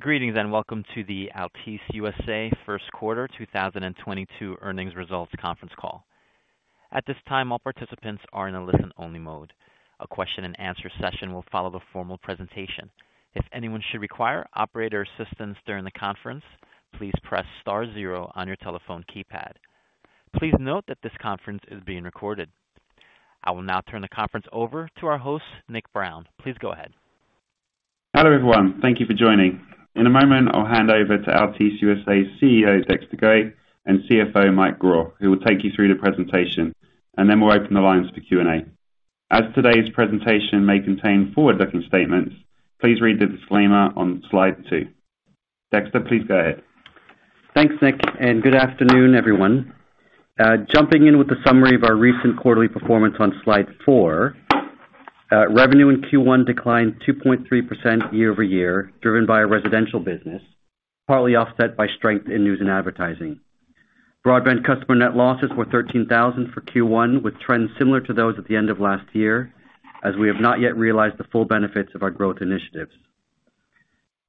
Greetings, and welcome to the Altice USA Q1 2022 earnings results conference call. At this time, all participants are in a listen-only mode. A Q&A session will follow the formal presentation. If anyone should require operator assistance during the conference, please press star zero on your telephone keypad. Please note that this conference is being recorded. I will now turn the conference over to our host, Nick Brown. Please go ahead. Hello, everyone. Thank you for joining. In a moment, I'll hand over to Altice USA CEO, Dexter Goei, and CFO, Mike Grau, who will take you through the presentation, and then we'll open the lines for Q&A. As today's presentation may contain forward-looking statements, please read the disclaimer on slide two. Dexter, please go ahead. Thanks, Nick, and good afternoon, everyone. Jumping in with the summary of our recent quarterly performance on slide four. Revenue in Q1 declined 2.3% year-over-year, driven by our residential business, partly offset by strength in news and advertising. Broadband customer net losses were 13,000 for Q1, with trends similar to those at the end of last year, as we have not yet realized the full benefits of our growth initiatives.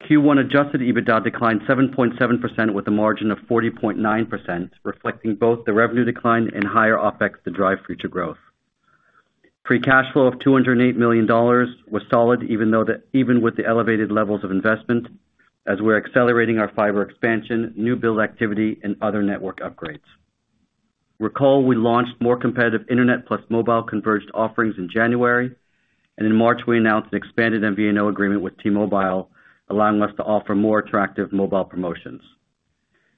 Q1 adjusted EBITDA declined 7.7% with a margin of 40.9%, reflecting both the revenue decline and higher OpEx to drive future growth. Free cash flow of $208 million was solid, even with the elevated levels of investment as we're accelerating our fiber expansion, new build activity, and other network upgrades. Recall we launched more competitive internet plus mobile converged offerings in January, and in March, we announced an expanded MVNO agreement with T-Mobile, allowing us to offer more attractive mobile promotions.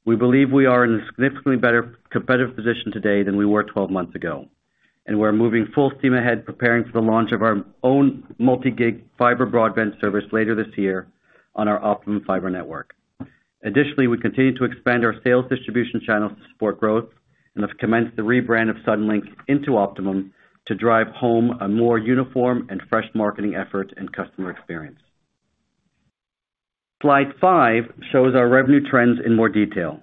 We believe we are in a significantly better competitive position today than we were 12 months ago, and we're moving full steam ahead preparing for the launch of our own multi-gig fiber broadband service later this year on our Optimum fiber network. Additionally, we continue to expand our sales distribution channels to support growth and have commenced the rebrand of Suddenlink into Optimum to drive home a more uniform and fresh marketing effort and customer experience. Slide 5 shows our revenue trends in more detail.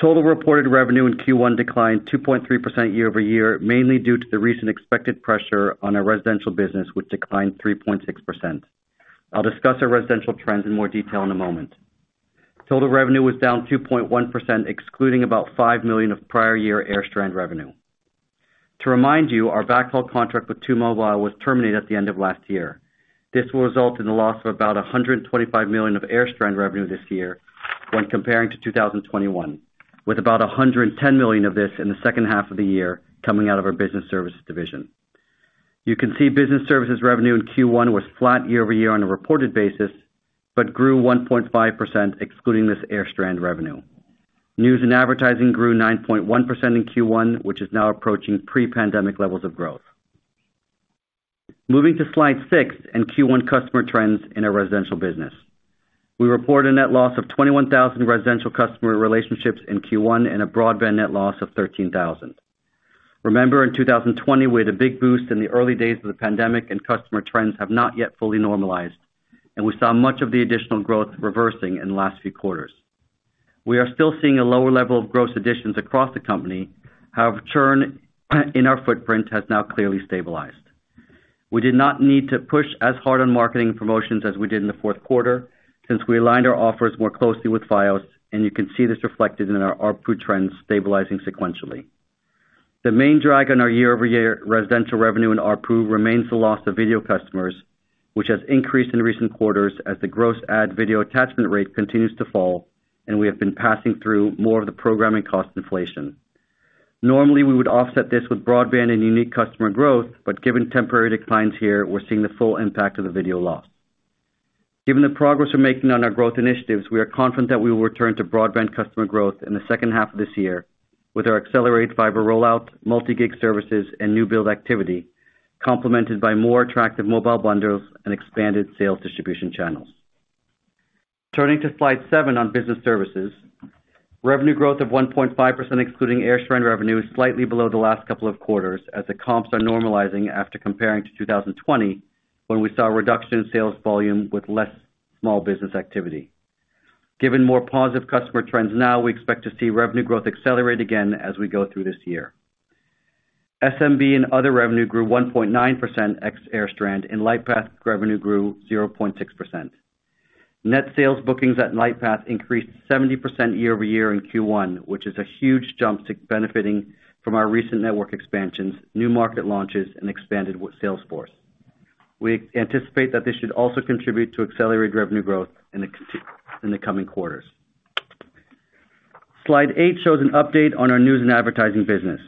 Total reported revenue in Q1 declined 2.3% year-over-year, mainly due to the recent expected pressure on our residential business, which declined 3.6%. I'll discuss our residential trends in more detail in a moment. Total revenue was down 2.1%, excluding about $5 million of prior year AirStrand revenue. To remind you, our backhaul contract with T-Mobile was terminated at the end of last year. This will result in the loss of about $125 million of AirStrand revenue this year when comparing to 2021, with about $110 million of this in the H2 of the year coming out of our business services division. You can see business services revenue in Q1 was flat year-over-year on a reported basis, but grew 1.5% excluding this AirStrand revenue. News and advertising grew 9.1% in Q1, which is now approaching pre-pandemic levels of growth. Moving to slide six and Q1 customer trends in our residential business. We report a net loss of 21,000 residential customer relationships in Q1 and a broadband net loss of 13,000. Remember, in 2020, we had a big boost in the early days of the pandemic, and customer trends have not yet fully normalized, and we saw much of the additional growth reversing in the last few quarters. We are still seeing a lower level of gross additions across the company, however, churn in our footprint has now clearly stabilized. We did not need to push as hard on marketing promotions as we did in the Q4 since we aligned our offers more closely with Fios, and you can see this reflected in our ARPU trends stabilizing sequentially. The main drag on our year-over-year residential revenue and ARPU remains the loss of video customers, which has increased in recent quarters as the gross ad video attachment rate continues to fall, and we have been passing through more of the programming cost inflation. Normally, we would offset this with broadband and unique customer growth, but given temporary declines here, we're seeing the full impact of the video loss. Given the progress we're making on our growth initiatives, we are confident that we will return to broadband customer growth in the H2 of this year with our accelerated fiber rollout, multi-gig services, and new build activity, complemented by more attractive mobile bundles and expanded sales distribution channels. Turning to slide seven on business services. Revenue growth of 1.5%, excluding AirStrand revenue, is slightly below the last couple of quarters as the comps are normalizing after comparing to 2020 when we saw a reduction in sales volume with less small business activity. Given more positive customer trends now, we expect to see revenue growth accelerate again as we go through this year. SMB and other revenue grew 1.9% ex AirStrand, and Lightpath revenue grew 0.6%. Net sales bookings at Lightpath increased 70% year-over-year in Q1, which is a huge jump due to benefiting from our recent network expansions, new market launches, and expanded sales force. We anticipate that this should also contribute to accelerated revenue growth in the coming quarters. Slide eight shows an update on our news and advertising business.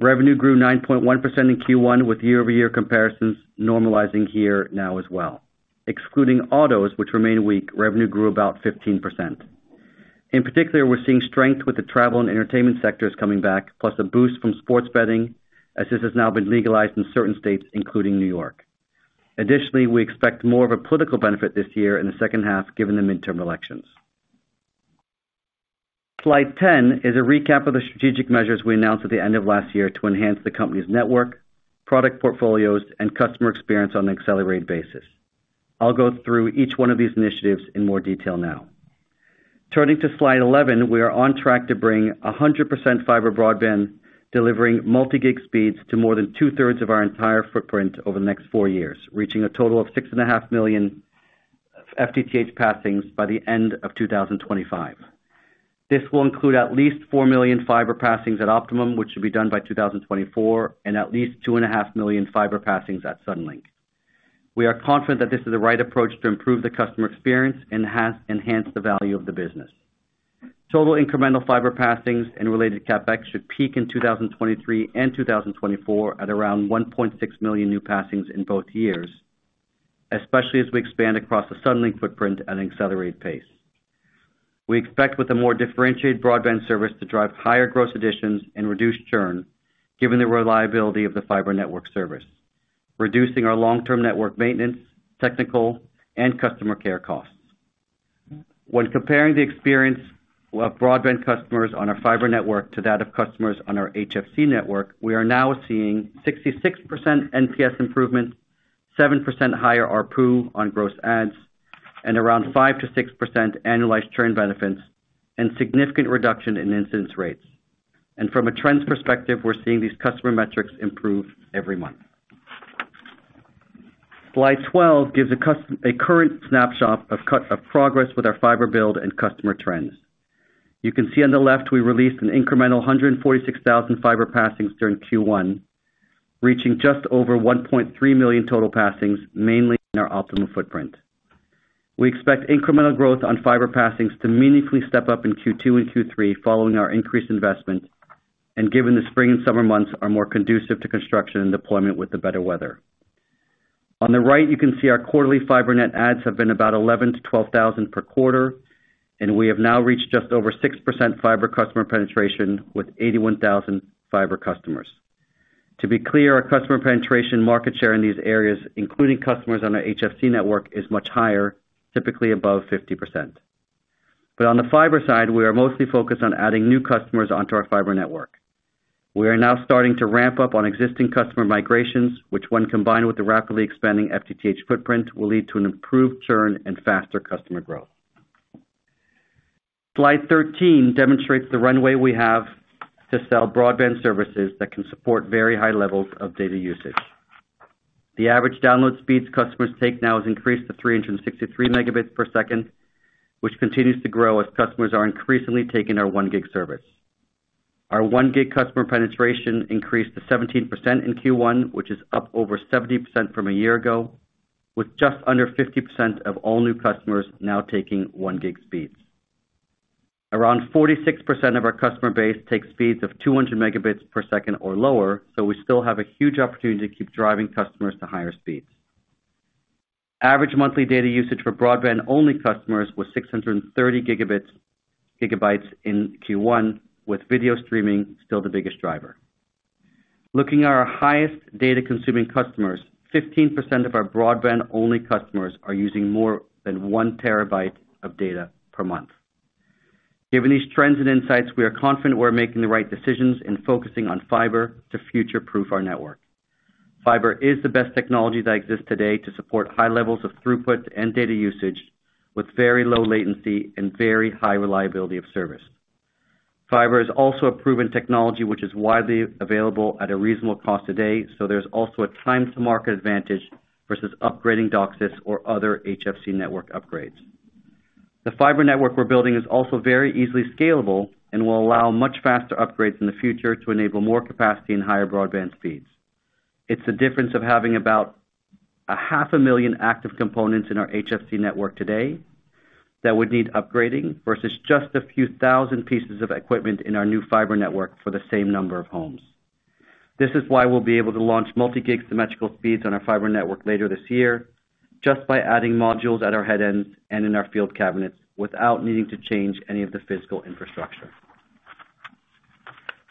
Revenue grew 9.1% in Q1 with year-over-year comparisons normalizing here now as well. Excluding autos, which remain weak, revenue grew about 15%. In particular, we're seeing strength with the travel and entertainment sectors coming back, plus a boost from sports betting as this has now been legalized in certain states, including New York. Additionally, we expect more of a political benefit this year in the H2 given the midterm elections. Slide 10 is a recap of the strategic measures we announced at the end of last year to enhance the company's network, product portfolios, and customer experience on an accelerated basis. I'll go through each one of these initiatives in more detail now. Turning to slide 11, we are on track to bring 100% fiber broadband, delivering multi-gig speeds to more than two-thirds of our entire footprint over the next four years, reaching a total of 6.5 million FTTH passings by the end of 2025. This will include at least 4 million fiber passings at Optimum, which will be done by 2024, and at least 2.5 million fiber passings at Suddenlink. We are confident that this is the right approach to improve the customer experience and has enhanced the value of the business. Total incremental fiber passings and related CapEx should peak in 2023 and 2024 at around 1.6 million new passings in both years, especially as we expand across the Suddenlink footprint at an accelerated pace. We expect with a more differentiated broadband service to drive higher gross additions and reduce churn, given the reliability of the fiber network service, reducing our long-term network maintenance, technical and customer care costs. When comparing the experience of broadband customers on our fiber network to that of customers on our HFC network, we are now seeing 66% NPS improvement, 7% higher ARPU on gross adds, and around 5%-6% annualized churn benefits, and significant reduction in incidence rates. From a trends perspective, we're seeing these customer metrics improve every month. Slide 12 gives a current snapshot of progress with our fiber build and customer trends. You can see on the left, we released an incremental 146,000 fiber passings during Q1, reaching just over 1.3 million total passings, mainly in our Optimum footprint. We expect incremental growth on fiber passings to meaningfully step up in Q2 and Q3 following our increased investment, and given the spring and summer months are more conducive to construction and deployment with the better weather. On the right, you can see our quarterly fiber net adds have been about 11,000-12,000 per quarter, and we have now reached just over 6% fiber customer penetration with 81,000 fiber customers. To be clear, our customer penetration market share in these areas, including customers on our HFC network, is much higher, typically above 50%. On the fiber side, we are mostly focused on adding new customers onto our fiber network. We are now starting to ramp up on existing customer migrations, which when combined with the rapidly expanding FTTH footprint, will lead to an improved churn and faster customer growth. Slide 13 demonstrates the runway we have to sell broadband services that can support very high levels of data usage. The average download speeds customers take now has increased to 363 Mbps, which continues to grow as customers are increasingly taking our 1 Gb service. Our 1 Gb customer penetration increased to 17% in Q1, which is up over 70% from a year ago, with just under 50% of all new customers now taking 1 Gb speeds. Around 46% of our customer base takes speeds of 200 Mbps or lower, so we still have a huge opportunity to keep driving customers to higher speeds. Average monthly data usage for broadband-only customers was 630 GB in Q1, with video streaming still the biggest driver. Looking at our highest data consuming customers, 15% of our broadband-only customers are using more than 1 TB of data per month. Given these trends and insights, we are confident we're making the right decisions in focusing on fiber to future-proof our network. Fiber is the best technology that exists today to support high levels of throughput and data usage with very low latency and very high reliability of service. Fiber is also a proven technology which is widely available at a reasonable cost today, so there's also a time to market advantage versus upgrading DOCSIS or other HFC network upgrades. The fiber network we're building is also very easily scalable and will allow much faster upgrades in the future to enable more capacity and higher broadband speeds. It's the difference of having about 500,000 active components in our HFC network today that would need upgrading versus just a few thousand pieces of equipment in our new fiber network for the same number of homes. This is why we'll be able to launch multi-gig symmetrical speeds on our fiber network later this year, just by adding modules at our head end and in our field cabinets without needing to change any of the physical infrastructure.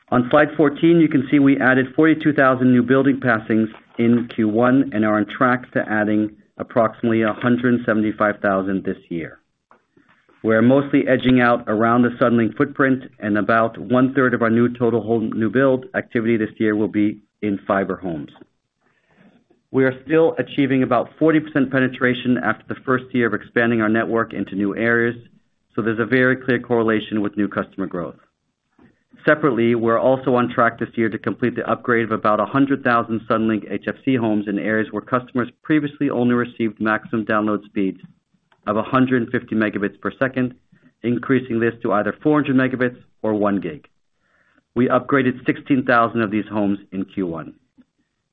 On slide 14, you can see we added 42,000 new building passings in Q1 and are on track to adding approximately 175,000 this year. We're mostly edging out around the Suddenlink footprint, and about one-third of our new total home new build activity this year will be in fiber homes. We are still achieving about 40% penetration after the first year of expanding our network into new areas, so there's a very clear correlation with new customer growth. Separately, we're also on track this year to complete the upgrade of about 100,000 Suddenlink HFC homes in areas where customers previously only received maximum download speeds of 150 Mbps, increasing this to either 400 Mbps or 1 Gb. We upgraded 16,000 of these homes in Q1.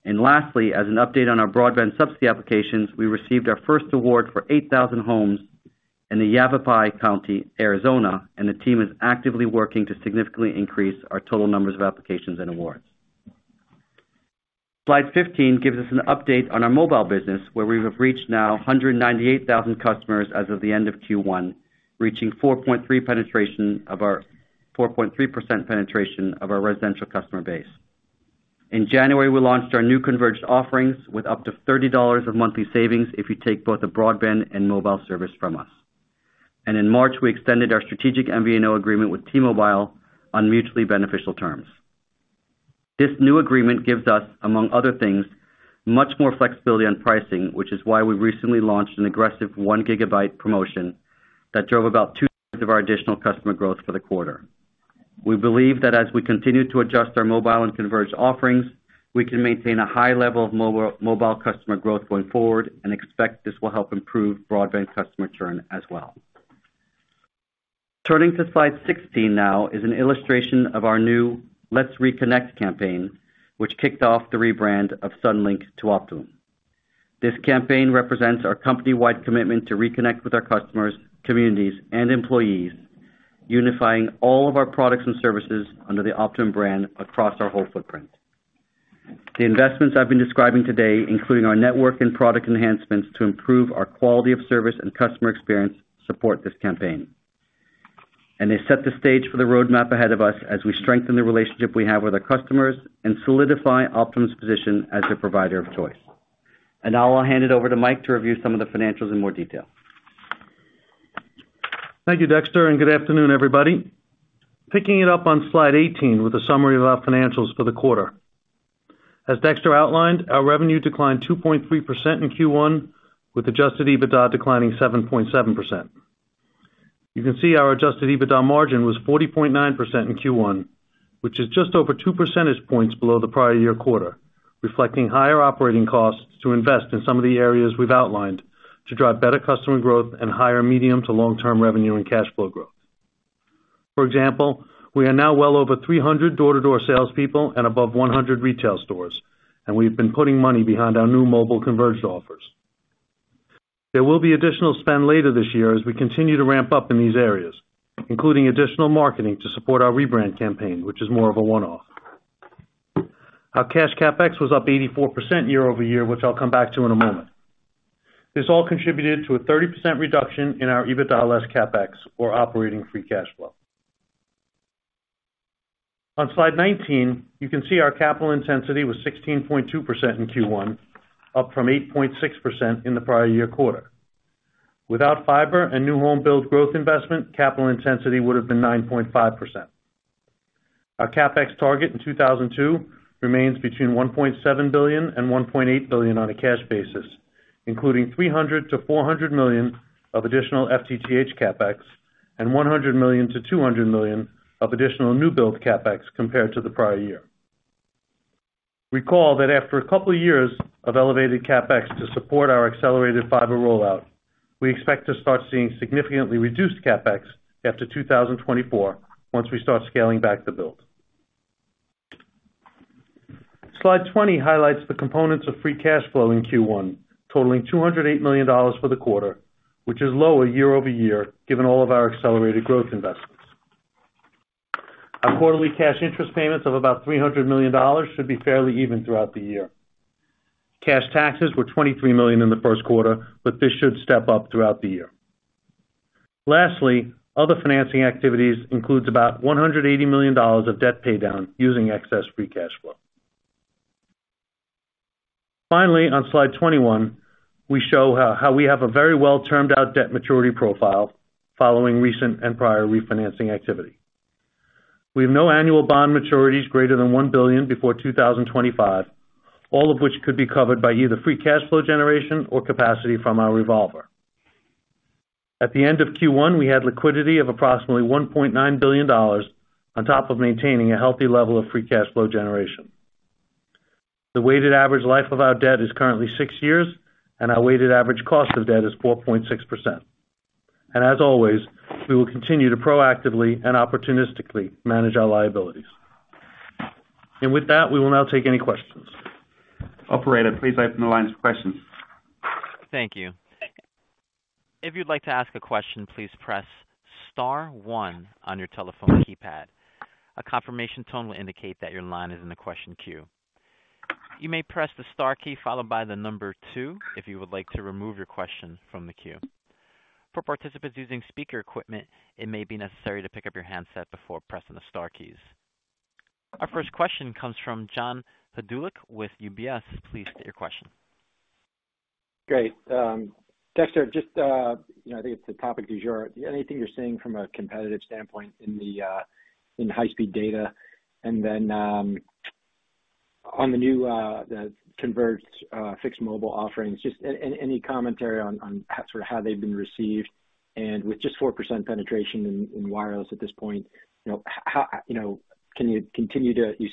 Lastly, as an update on our broadband subsidy applications, we received our first award for 8,000 homes in the Yavapai County, Arizona, and the team is actively working to significantly increase our total numbers of applications and awards. Slide 15 gives us an update on our mobile business, where we have reached now 198,000 customers as of the end of Q1, reaching 4.3% penetration of our residential customer base. In January, we launched our new converged offerings with up to $30 of monthly savings if you take both the broadband and mobile service from us. In March, we extended our strategic MVNO agreement with T-Mobile on mutually beneficial terms. This new agreement gives us, among other things, much more flexibility on pricing, which is why we recently launched an aggressive 1 gigabyte promotion that drove about 2/3 of our additional customer growth for the quarter. We believe that as we continue to adjust our mobile and converged offerings, we can maintain a high level of mobile customer growth going forward and expect this will help improve broadband customer churn as well. Turning to slide 16 now is an illustration of our new Let's Reconnect campaign, which kicked off the rebrand of Suddenlink to Optimum. This campaign represents our company-wide commitment to reconnect with our customers, communities, and employees, unifying all of our products and services under the Optimum brand across our whole footprint. The investments I've been describing today, including our network and product enhancements to improve our quality of service and customer experience, support this campaign. They set the stage for the roadmap ahead of us as we strengthen the relationship we have with our customers and solidify Optimum's position as their provider of choice. Now I'll hand it over to Mike to review some of the financials in more detail. Thank you, Dexter, and good afternoon, everybody. Picking it up on slide 18 with a summary of our financials for the quarter. As Dexter outlined, our revenue declined 2.3% in Q1, with adjusted EBITDA declining 7.7%. You can see our adjusted EBITDA margin was 40.9% in Q1, which is just over 2 percentage points below the prior year quarter, reflecting higher operating costs to invest in some of the areas we've outlined to drive better customer growth and higher medium to long-term revenue and cash flow growth. For example, we are now well over 300 door-to-door salespeople and above 100 retail stores, and we've been putting money behind our new mobile converged offers. There will be additional spend later this year as we continue to ramp up in these areas, including additional marketing to support our rebrand campaign, which is more of a one-off. Our cash CapEx was up 84% year-over-year, which I'll come back to in a moment. This all contributed to a 30% reduction in our EBITDA less CapEx or operating free cash flow. On slide 19, you can see our capital intensity was 16.2% in Q1, up from 8.6% in the prior-year quarter. Without fiber and new home build growth investment, capital intensity would have been 9.5%. Our CapEx target in 2022 remains between $1.7 billion-$1.8 billion on a cash basis, including $300 million-$400 million of additional FTTH CapEx and $100 million-$200 million of additional new build CapEx compared to the prior year. Recall that after a couple of years of elevated CapEx to support our accelerated fiber rollout, we expect to start seeing significantly reduced CapEx after 2024, once we start scaling back the build. Slide 20 highlights the components of free cash flow in Q1, totaling $208 million for the quarter, which is lower year-over-year, given all of our accelerated growth investments. Our quarterly cash interest payments of about $300 million should be fairly even throughout the year. Cash taxes were $23 million in the Q1, but this should step up throughout the year. Lastly, other financing activities includes about $180 million of debt paydown using excess free cash flow. Finally, on slide 21, we show how we have a very well-termed-out debt maturity profile following recent and prior refinancing activity. We have no annual bond maturities greater than $1 billion before 2025, all of which could be covered by either free cash flow generation or capacity from our revolver. At the end of Q1, we had liquidity of approximately $1.9 billion on top of maintaining a healthy level of free cash flow generation. The weighted average life of our debt is currently six years, and our weighted average cost of debt is 4.6%. As always, we will continue to proactively and opportunistically manage our liabilities. With that, we will now take any questions. Operator, please open the lines for questions. Thank you. If you'd like to ask a question, please press star one on your telephone keypad. A confirmation tone will indicate that your line is in the question queue. You may press the star key followed by the number two if you would like to remove your question from the queue. For participants using speaker equipment, it may be necessary to pick up your handset before pressing the star keys. Our first question comes from John Hodulik with UBS. Please state your question. Great. Dexter, just you know, I think it's the topic du jour. Anything you're seeing from a competitive standpoint in high-speed data? On the new converged fixed mobile offerings, just any commentary on sort of how they've been received and with just 4% penetration in wireless at this point, you know, you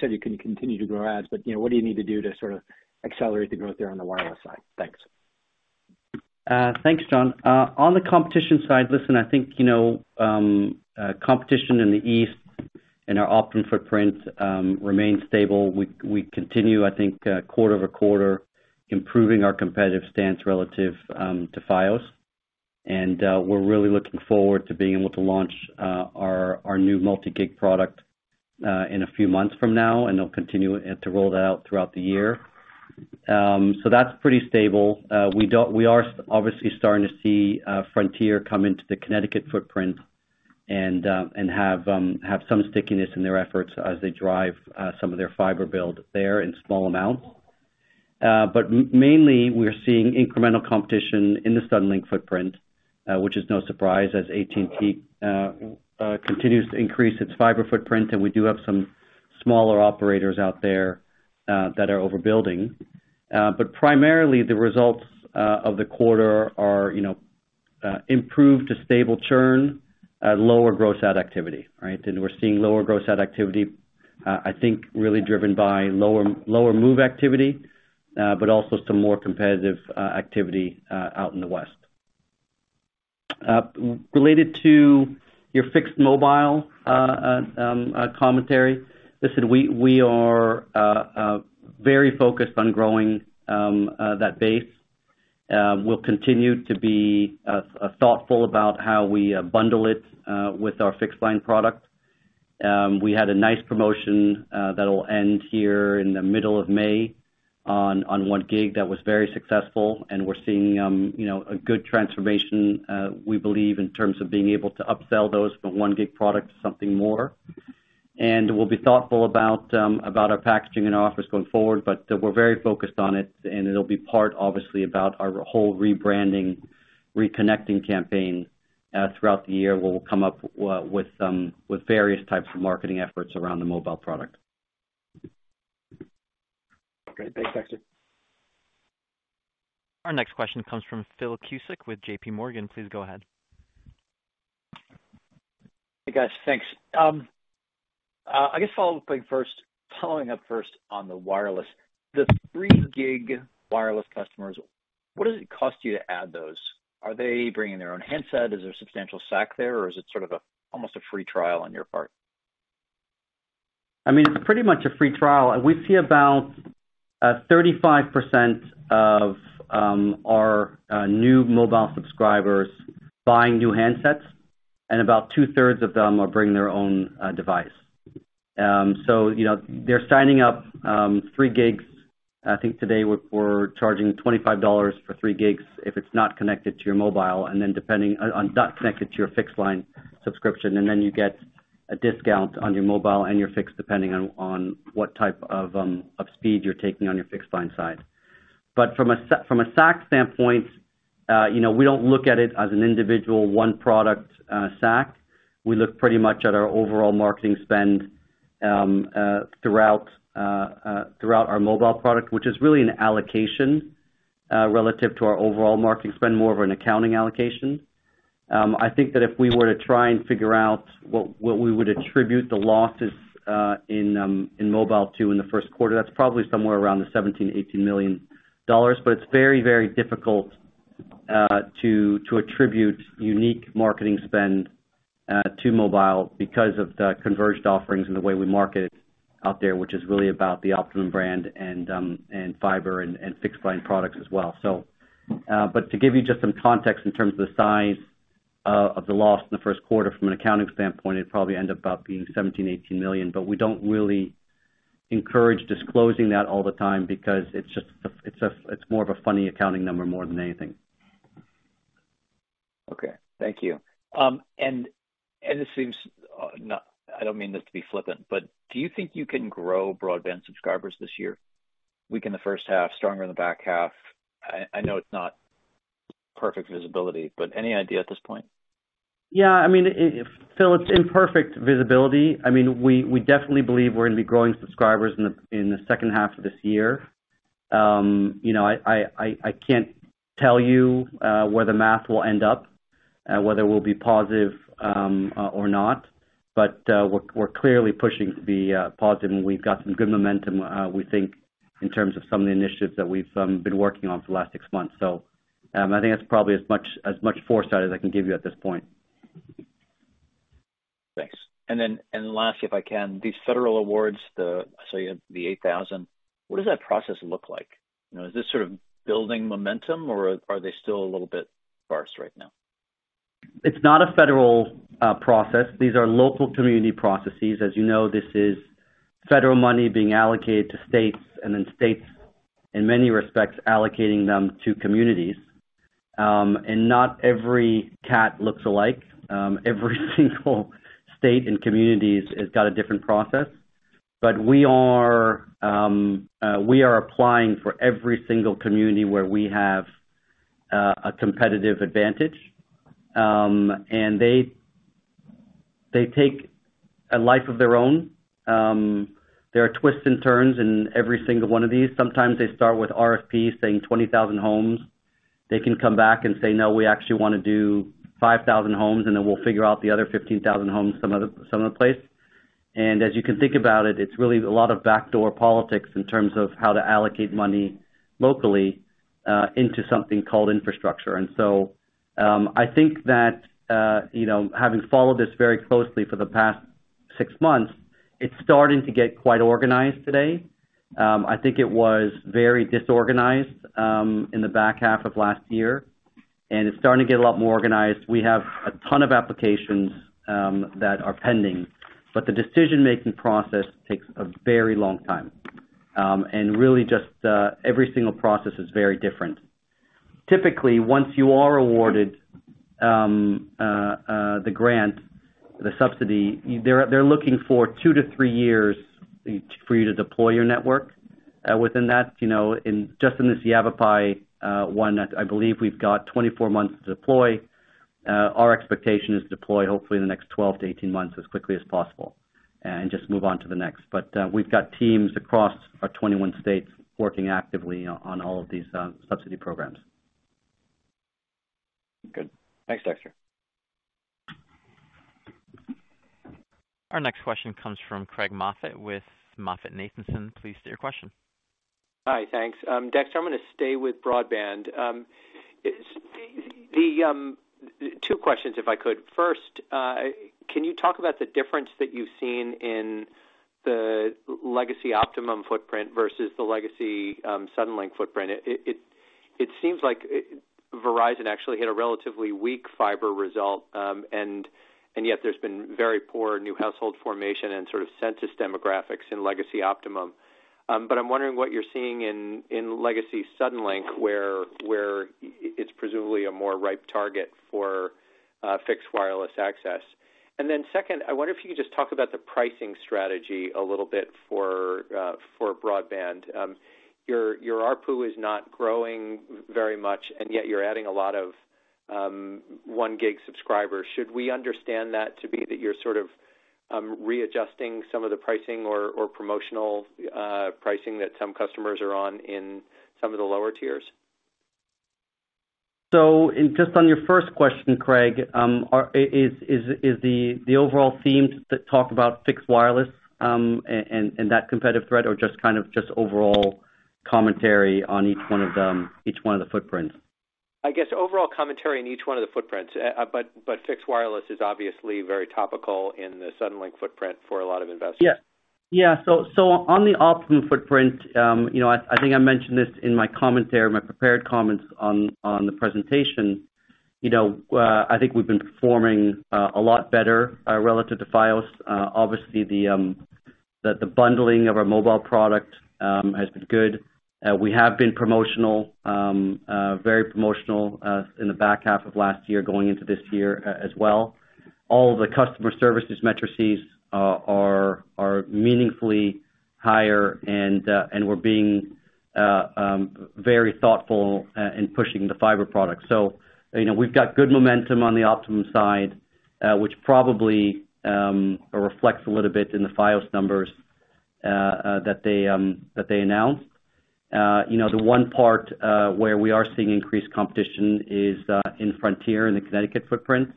said you can continue to grow adds, but you know, what do you need to do to sort of accelerate the growth there on the wireless side? Thanks. Thanks, John. On the competition side, listen, I think, you know, competition in the East in our Optimum footprint remains stable. We continue, I think, quarter-over-quarter, improving our competitive stance relative to Fios. We're really looking forward to being able to launch our new multi-Gb product in a few months from now, and they'll continue to roll that out throughout the year. That's pretty stable. We are obviously starting to see Frontier come into the Connecticut footprint and have some stickiness in their efforts as they drive some of their fiber build there in small amounts. Mainly we are seeing incremental competition in the Suddenlink footprint, which is no surprise as AT&T continues to increase its fiber footprint, and we do have some smaller operators out there that are overbuilding. Primarily the results of the quarter are, you know, improved to stable churn, lower gross add activity, right? We're seeing lower gross add activity, I think really driven by lower move activity, but also some more competitive activity out in the West. Related to your fixed mobile commentary, listen, we are very focused on growing that base. We'll continue to be thoughtful about how we bundle it with our fixed line product. We had a nice promotion that'll end here in the middle of May on one gig that was very successful, and we're seeing, you know, a good transformation, we believe, in terms of being able to upsell those from 1 Gb product to something more. We'll be thoughtful about our packaging and offers going forward, but we're very focused on it, and it'll be part, obviously, about our whole rebranding, reconnecting campaign. Throughout the year, we'll come up with various types of marketing efforts around the mobile product. Okay. Thanks, Dexter. Our next question comes from Phil Cusick with JPMorgan. Please go ahead. Hey, guys. Thanks. I guess following up first on the wireless. The 3 Gb wireless customers, what does it cost you to add those? Are they bringing their own handset? Is there a substantial SAC there, or is it sort of a almost a free trial on your part? I mean, it's pretty much a free trial. We see about 35% of our new mobile subscribers buying new handsets, and about 2/3 of them are bringing their own device. You know, they're signing up 3 Gb. I think today we're charging $25 for 3 Gb if it's not connected to your mobile, and then not connected to your fixed line subscription, and then you get a discount on your mobile and your fixed, depending on what type of speed you're taking on your fixed line side. From a SAC standpoint, you know, we don't look at it as an individual one product SAC. We look pretty much at our overall marketing spend throughout our mobile product, which is really an allocation relative to our overall marketing spend, more of an accounting allocation. I think that if we were to try and figure out what we would attribute the losses in mobile to in the Q1, that's probably somewhere around the $17-$18 million. It's very, very difficult to attribute unique marketing spend to mobile because of the converged offerings and the way we market out there, which is really about the Optimum brand and fiber and fixed line products as well. To give you just some context in terms of the size of the loss in the Q1 from an accounting standpoint, it'd probably end up about being $17-$18 million. We don't really encourage disclosing that all the time because it's just a, it's more of a funny accounting number more than anything. Okay. Thank you. I don't mean this to be flippant, but do you think you can grow broadband subscribers this year? Weak in the H1, stronger in the back half. I know it's not perfect visibility, but any idea at this point? Yeah, I mean, Phil, it's imperfect visibility. I mean, we definitely believe we're gonna be growing subscribers in the H2 of this year. You know, I can't tell you where the math will end up, whether it will be positive or not, but we're clearly pushing to be positive, and we've got some good momentum, we think, in terms of some of the initiatives that we've been working on for the last six months. I think that's probably as much foresight as I can give you at this point. Thanks. Lastly, if I can, these federal awards, say the 8,000, what does that process look like? You know, is this sort of building momentum or are they still a little bit sparse right now? It's not a federal process. These are local community processes. As you know, this is federal money being allocated to states and then states, in many respects, allocating them to communities. Not every case looks alike. Every single state and communities has got a different process. We are applying for every single community where we have a competitive advantage. They take a life of their own. There are twists and turns in every single one of these. Sometimes they start with RFPs saying 20,000 homes. They can come back and say, "No, we actually wanna do 5,000 homes, and then we'll figure out the other 15,000 homes some other place." As you can think about it's really a lot of backdoor politics in terms of how to allocate money locally into something called infrastructure. I think that you know, having followed this very closely for the past six months, it's starting to get quite organized today. I think it was very disorganized in the back half of last year, and it's starting to get a lot more organized. We have a ton of applications that are pending, but the decision-making process takes a very long time. Really just, every single process is very different. Typically, once you are awarded, the grant, the subsidy, they're looking for two-three years for you to deploy your network. Within that, you know, just in this Yavapai one, I believe we've got 24 months to deploy. Our expectation is to deploy hopefully in the next 12-18 months as quickly as possible and just move on to the next. We've got teams across our 21 states working actively on all of these subsidy programs. Good. Thanks, Dexter. Our next question comes from Craig Moffett with MoffettNathanson. Please state your question. Hi. Thanks. Dexter, I'm gonna stay with broadband. The two questions, if I could. First, can you talk about the difference that you've seen in the legacy Optimum footprint versus the legacy Suddenlink footprint? It seems like, Verizon actually hit a relatively weak fiber result, and yet there's been very poor new household formation and sort of census demographics in legacy Optimum. I'm wondering what you're seeing in legacy Suddenlink, where it's presumably a more ripe target for fixed wireless access. Second, I wonder if you could just talk about the pricing strategy a little bit for broadband. Your ARPU is not growing very much, and yet you're adding a lot of 1 Gb subscribers. Should we understand that to be that you're sort of readjusting some of the pricing or promotional pricing that some customers are on in some of the lower tiers? Just on your first question, Craig, is the overall themes that talk about fixed wireless, and that competitive threat, or just kind of overall commentary on each one of them, each one of the footprints? I guess overall commentary on each one of the footprints. Fixed wireless is obviously very topical in the Suddenlink footprint for a lot of investors. Yeah. On the Optimum footprint, you know, I think I mentioned this in my commentary, my prepared comments on the presentation. You know, I think we've been performing a lot better relative to Fios. Obviously the bundling of our mobile product has been good. We have been promotional, very promotional, in the back half of last year, going into this year as well. All the customer service metrics are meaningfully higher, and we're being very thoughtful in pushing the fiber product. You know, we've got good momentum on the Optimum side, which probably reflects a little bit in the Fios numbers that they announce. You know, the one part where we are seeing increased competition is in Frontier, in the Connecticut footprint,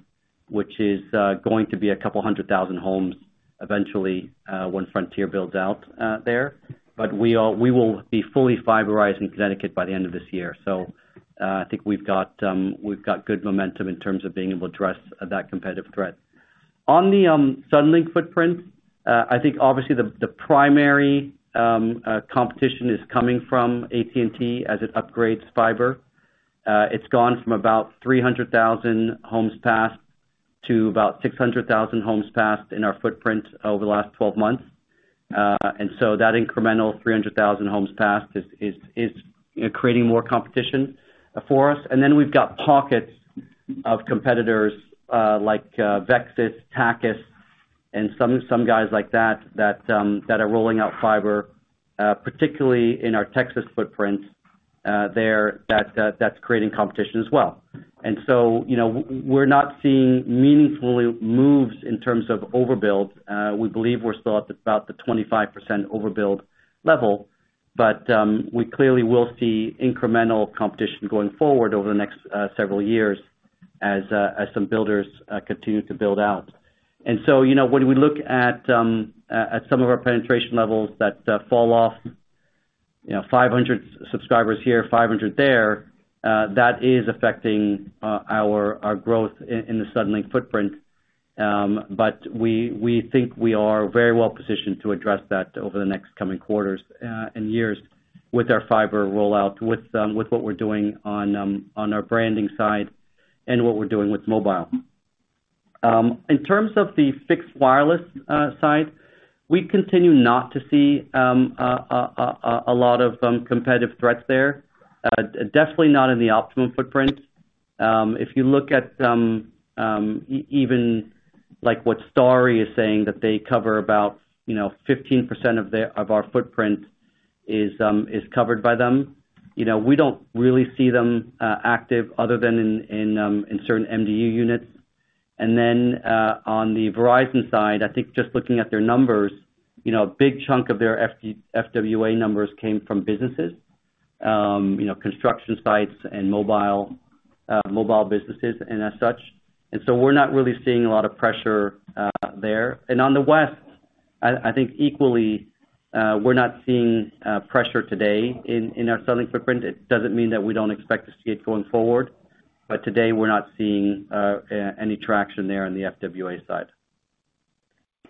which is going to be 200,000 homes eventually when Frontier builds out there. We will be fully fiberized in Connecticut by the end of this year. I think we've got good momentum in terms of being able to address that competitive threat. On the Suddenlink footprint, I think obviously the primary competition is coming from AT&T as it upgrades fiber. It's gone from about 300,000 homes passed to about 600,000 homes passed in our footprint over the last 12 months. That incremental 300,000 homes passed is, you know, creating more competition for us. We've got pockets of competitors, like Vexus, Tachus and some guys like that that are rolling out fiber, particularly in our Texas footprint there that's creating competition as well. You know, we're not seeing meaningful moves in terms of overbuild. We believe we're still at about the 25% overbuild level, but we clearly will see incremental competition going forward over the next several years as some builders continue to build out. You know, when we look at some of our penetration levels that fall off, you know, 500 subscribers here, 500 there, that is affecting our growth in the Suddenlink footprint. We think we are very well positioned to address that over the next coming quarters and years with our fiber rollout, with what we're doing on our branding side and what we're doing with mobile. In terms of the fixed wireless side, we continue not to see a lot of competitive threats there. Definitely not in the Optimum footprint. If you look at even like what Starry is saying, that they cover about, you know, 15% of our footprint is covered by them. You know, we don't really see them active other than in certain MDU units. On the Verizon side, I think just looking at their numbers, you know, a big chunk of their FWA numbers came from businesses, you know, construction sites and mobile businesses and as such. We're not really seeing a lot of pressure there. On the wireless, I think equally, we're not seeing pressure today in our selling footprint. It doesn't mean that we don't expect to see it going forward, but today we're not seeing any traction there on the FWA side.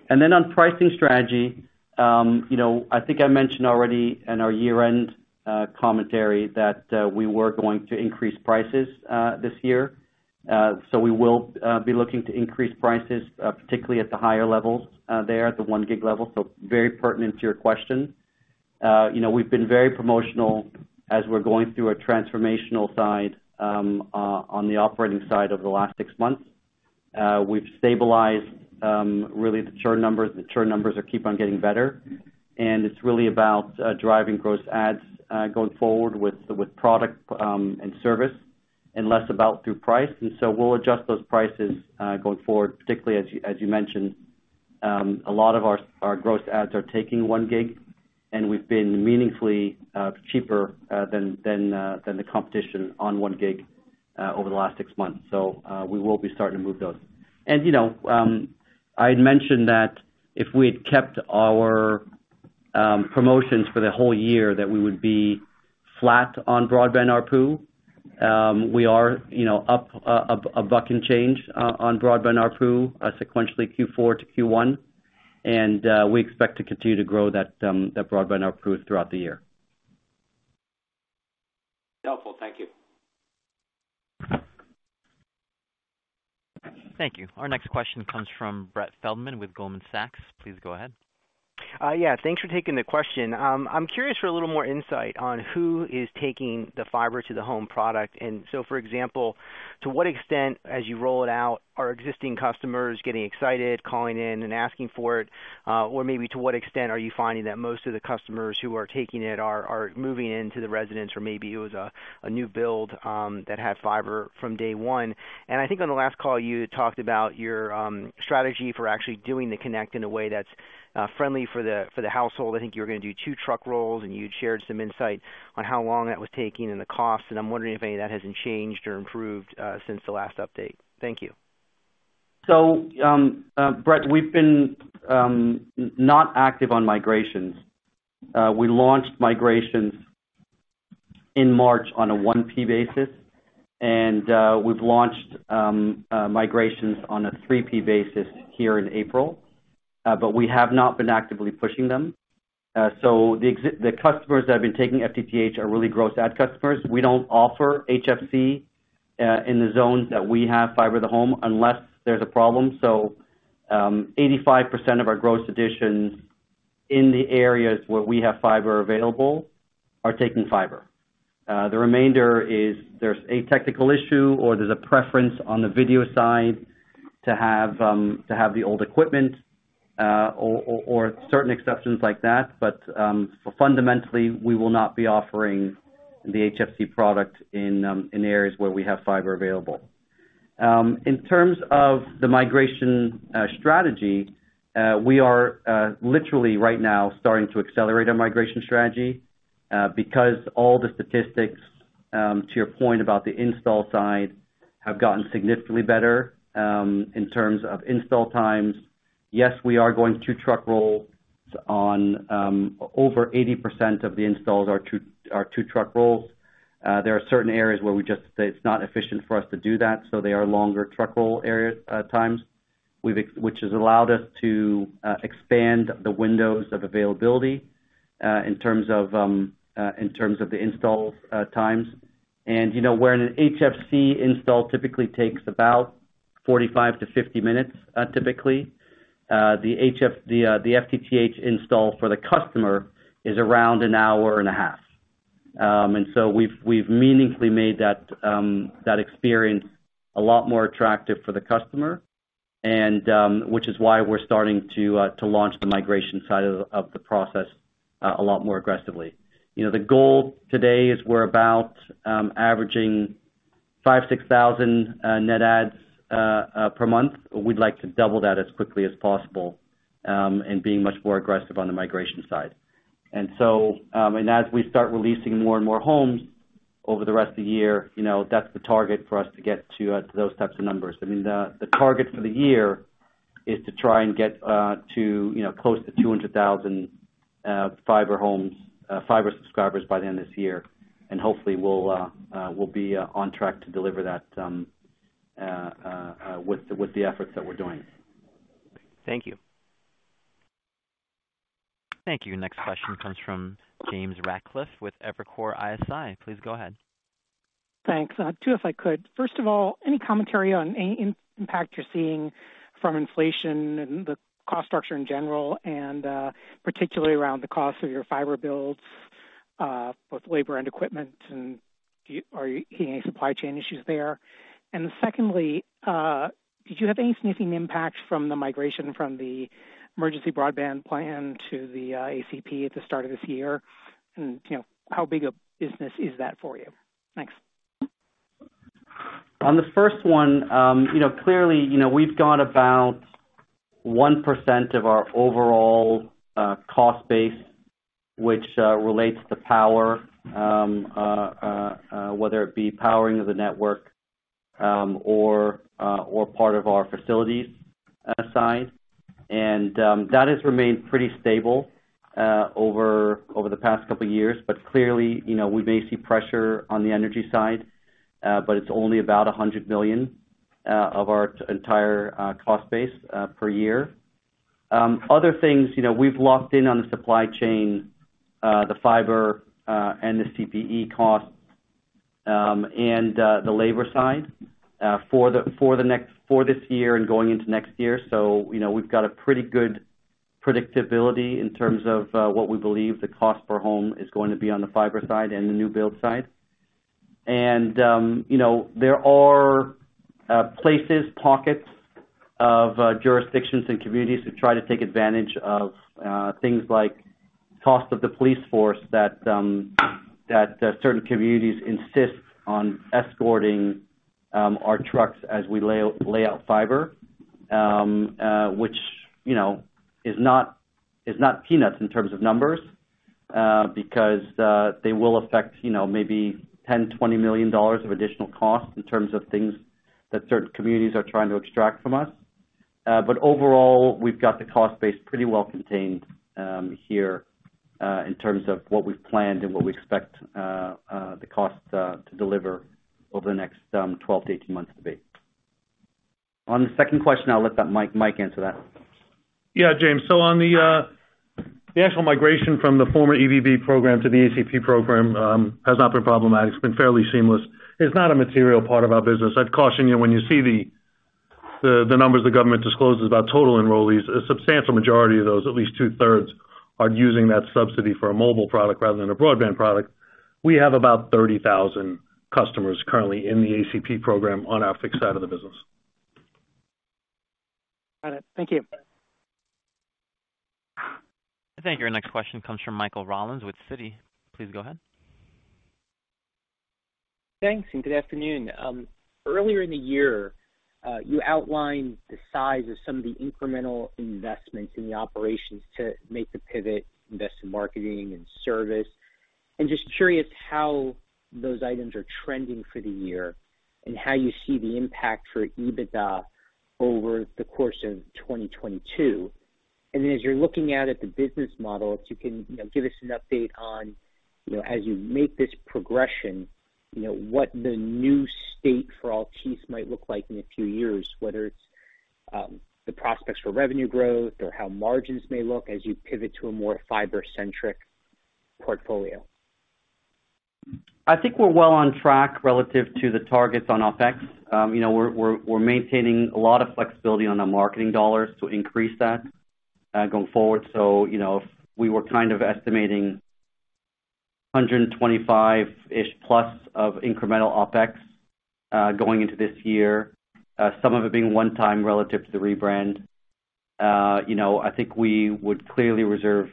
On pricing strategy, you know, I think I mentioned already in our year-end commentary that we were going to increase prices this year. We will be looking to increase prices, particularly at the higher levels there at the 1 Gb level. Very pertinent to your question. You know, we've been very promotional as we're going through a transformation on the operating side over the last six months. We've stabilized really the churn numbers. The churn numbers keep on getting better, and it's really about driving gross adds going forward with product and service and less about price. We'll adjust those prices going forward, particularly as you mentioned. A lot of our gross adds are taking one gig, and we've been meaningfully cheaper than the competition on one gig over the last six months. We will be starting to move those. You know, I had mentioned that if we had kept our promotions for the whole year, that we would be flat on broadband ARPU. We are, you know, up a buck and change on broadband ARPU sequentially Q4 to Q1. We expect to continue to grow that broadband ARPU throughout the year. Helpful. Thank you. Thank you. Our next question comes from Brett Feldman with Goldman Sachs. Please go ahead. Yeah, thanks for taking the question. I'm curious for a little more insight on who is taking the fiber to the home product. For example, to what extent, as you roll it out, are existing customers getting excited, calling in and asking for it? Or maybe to what extent are you finding that most of the customers who are taking it are moving into the residence? Or maybe it was a new build that had fiber from day one. I think on the last call, you talked about your strategy for actually doing the connect in a way that's friendly for the household. I think you were gonna do two truck rolls, and you'd shared some insight on how long that was taking and the cost, and I'm wondering if any of that has changed or improved, since the last update. Thank you. Brett Feldman, we've been not active on migrations. We launched migrations in March on a 1P basis, and we've launched migrations on a 3P basis here in April. We have not been actively pushing them. The customers that have been taking FTTH are really gross add customers. We don't offer HFC in the zones that we have fiber to the home unless there's a problem. 85% of our gross additions in the areas where we have fiber available are taking fiber. The remainder is there's a technical issue or there's a preference on the video side to have the old equipment, or certain exceptions like that. Fundamentally, we will not be offering the HFC product in areas where we have fiber available. In terms of the migration strategy, we are literally right now starting to accelerate our migration strategy because all the statistics to your point about the install side have gotten significantly better in terms of install times. Yes, we are going 2 truck rolls on over 80% of the installs are 2 truck rolls. There are certain areas where we just say it's not efficient for us to do that, so they are longer truck roll times, which has allowed us to expand the windows of availability in terms of the install times. You know, where an HFC install typically takes about 45-50 minutes, the FTTH install for the customer is around an hour and a half. We've meaningfully made that experience a lot more attractive for the customer, which is why we're starting to launch the migration side of the process a lot more aggressively. You know, the goal today is we're about averaging 5,000-6,000 net adds per month. We'd like to double that as quickly as possible, and being much more aggressive on the migration side. As we start releasing more and more homes over the rest of the year, you know, that's the target for us to get to those types of numbers. I mean, the target for the year is to try and get to, you know, close to 200,000 fiber homes, fiber subscribers by the end of this year. Hopefully we'll be on track to deliver that with the efforts that we're doing. Thank you. Thank you. Next question comes from James Ratcliffe with Evercore ISI. Please go ahead. Thanks. Two, if I could. First of all, any commentary on any impact you're seeing from inflation and the cost structure in general, and, particularly around the cost of your fiber builds, both labor and equipment? And are you hitting any supply chain issues there? And secondly, did you have any significant impact from the migration from the Emergency Broadband Benefit to the ACP at the start of this year? And, you know, how big a business is that for you? Thanks. On the first one, you know, clearly, you know, we've got about 1% of our overall cost base which relates to power, whether it be powering of the network, or part of our facilities side. That has remained pretty stable over the past couple of years. Clearly, you know, we may see pressure on the energy side, but it's only about $100 million of our entire cost base per year. Other things, you know, we've locked in on the supply chain, the fiber, and the CPE costs. And the labor side for this year and going into next year. You know, we've got a pretty good predictability in terms of what we believe the cost per home is going to be on the fiber side and the new build side. You know, there are places, pockets of jurisdictions and communities who try to take advantage of things like cost of the police force that certain communities insist on escorting our trucks as we lay out fiber, which, you know, is not peanuts in terms of numbers, because they will affect, you know, maybe $10 million-$20 million of additional costs in terms of things that certain communities are trying to extract from us. Overall, we've got the cost base pretty well contained here in terms of what we've planned and what we expect the costs to deliver over the next 12-18 months to be. On the second question, I'll let Mike answer that. Yeah, James. On the actual migration from the former EBB program to the ACP program has not been problematic. It's been fairly seamless. It's not a material part of our business. I'd caution you when you see the numbers the government discloses about total enrollees, a substantial majority of those, at least 2/3, are using that subsidy for a mobile product rather than a broadband product. We have about 30,000 customers currently in the ACP program on our fixed side of the business. Got it. Thank you. Thank you. Your next question comes from Michael Rollins with Citi. Please go ahead. Thanks, and good afternoon. Earlier in the year, you outlined the size of some of the incremental investments in the operations to make the pivot, invest in marketing and service. I'm just curious how those items are trending for the year and how you see the impact for EBITDA over the course of 2022. Then as you're looking out at the business model, if you can, you know, give us an update on, you know, as you make this progression, you know, what the new state for Altice might look like in a few years, whether it's the prospects for revenue growth or how margins may look as you pivot to a more fiber-centric portfolio. I think we're well on track relative to the targets on OpEx. You know, we're maintaining a lot of flexibility on the marketing dollars to increase that going forward. You know, we were kind of estimating $125 million+ of incremental OpEx going into this year, some of it being one-time relative to the rebrand. You know, I think we would clearly reserve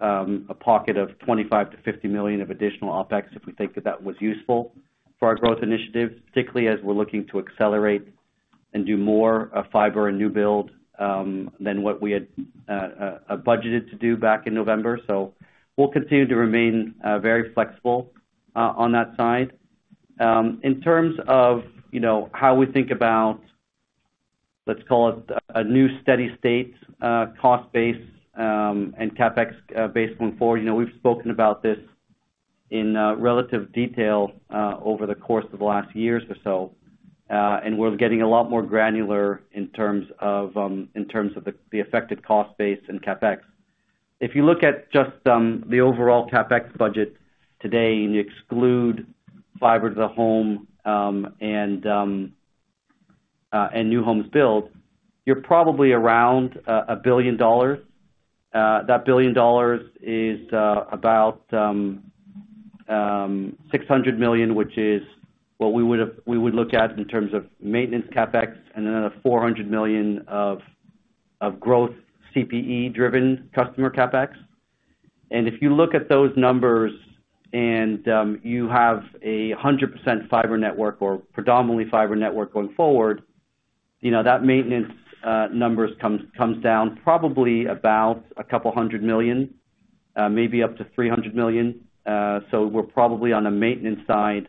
a pocket of $25 million-$50 million of additional OpEx if we think that that was useful for our growth initiative, particularly as we're looking to accelerate and do more fiber and new build than what we had budgeted to do back in November. We'll continue to remain very flexible on that side. In terms of, you know, how we think about, let's call it a new steady state, cost base, and CapEx, base going forward, you know, we've spoken about this in, relative detail, over the course of the last years or so, and we're getting a lot more granular in terms of the affected cost base and CapEx. If you look at just, the overall CapEx budget today and you exclude fiber to the home, and new homes build, you're probably around $1 billion. That $1 billion is about $600 million, which is what we would look at in terms of maintenance CapEx and another $400 million of growth CPE-driven customer CapEx. If you look at those numbers and you have a 100% fiber network or predominantly fiber network going forward, you know, that maintenance numbers comes down probably about $200 million, maybe up to $300 million. So we're probably on the maintenance side,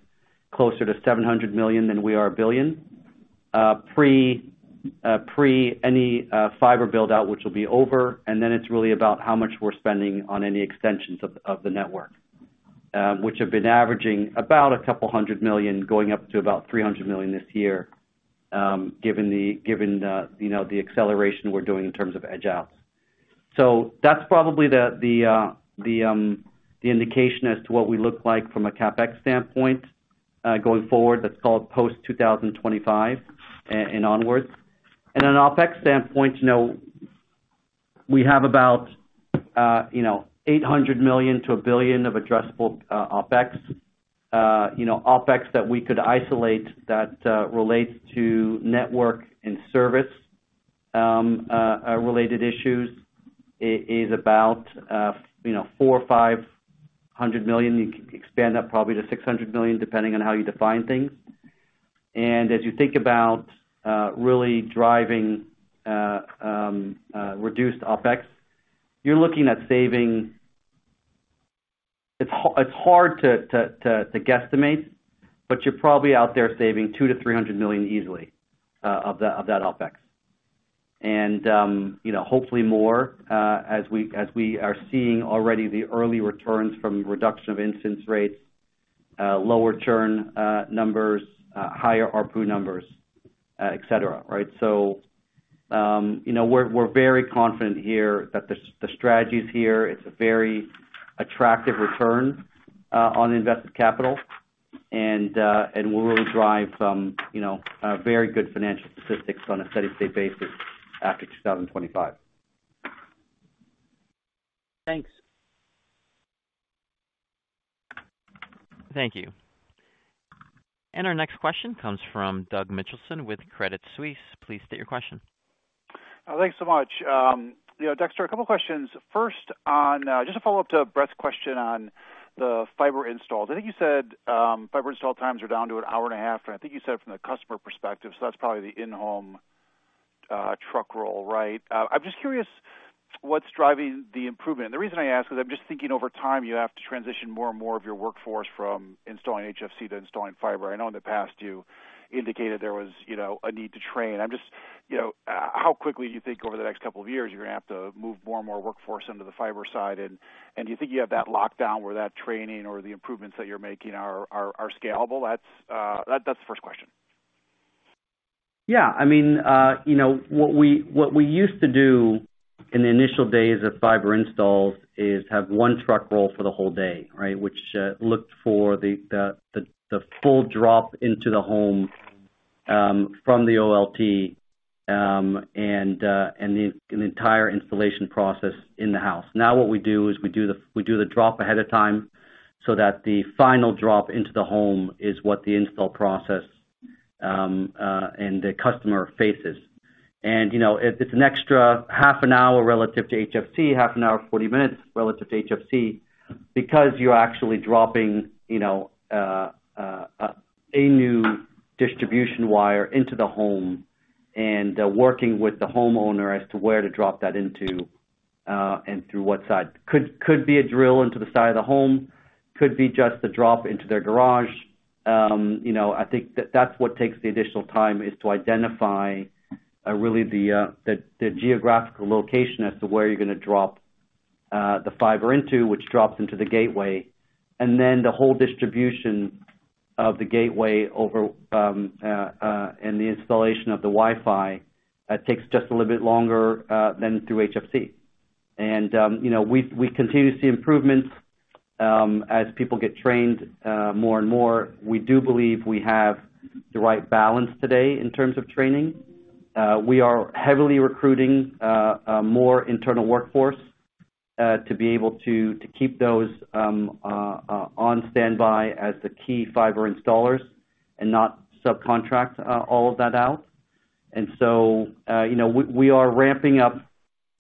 closer to $700 million than we are $1 billion, prior to any fiber build-out, which will be over. Then it's really about how much we're spending on any extensions of the network, which have been averaging about $200 million, going up to about $300 million this year, given the you know, the acceleration we're doing in terms of edge outs. That's probably the indication as to what we look like from a CapEx standpoint, going forward, let's call it post-2025 and onwards. From an OpEx standpoint, you know, we have about $800 million-$1 billion of addressable OpEx. You know, OpEx that we could isolate that relates to network and service related issues is about $400 million-$500 million. You can expand that probably to $600 million, depending on how you define things. As you think about really driving reduced OpEx, you're looking at saving. It's hard to guesstimate, but you're probably out there saving $200 million-$300 million easily of that OpEx. You know, hopefully more as we are seeing already the early returns from reduction of install rates, lower churn numbers, higher ARPU numbers, et cetera, right? You know, we're very confident here that the strategy is here. It's a very attractive return on invested capital. We'll really drive some, you know, very good financial statistics on a steady-state basis after 2025. Thanks. Thank you. Our next question comes from Doug Mitchelson with Credit Suisse. Please state your question. Thanks so much. You know, Dexter, a couple questions. First on, just a follow-up to Brett's question on the fiber installs. I think you said, fiber install times are down to an hour and a half, and I think you said from the customer perspective, so that's probably the in-home, truck roll, right? I'm just curious what's driving the improvement. The reason I ask is I'm just thinking over time, you have to transition more and more of your workforce from installing HFC to installing fiber. I know in the past you indicated there was, you know, a need to train. I'm just, you know, how quickly do you think over the next couple of years you're gonna have to move more and more workforce into the fiber side? Do you think you have that locked down where that training or the improvements that you're making are scalable? That's the first question. Yeah. I mean, you know, what we used to do in the initial days of fiber installs is have one truck roll for the whole day, right? Which looked for the full drop into the home from the OLT and an entire installation process in the house. Now, what we do is we do the drop ahead of time so that the final drop into the home is what the install process and the customer faces. You know, it's an extra half an hour relative to HFC, 40 minutes relative to HFC because you're actually dropping, you know, a new distribution wire into the home and working with the homeowner as to where to drop that into and through what side. Could be a drill into the side of the home. Could be just a drop into their garage. You know, I think that's what takes the additional time, is to identify really the geographical location as to where you're gonna drop the fiber into, which drops into the gateway. Then the whole distribution of the gateway over and the installation of the Wi-Fi takes just a little bit longer than through HFC. You know, we continue to see improvements as people get trained more and more. We do believe we have the right balance today in terms of training. We are heavily recruiting more internal workforce to be able to keep those on standby as the key fiber installers and not subcontract all of that out. You know, we are ramping up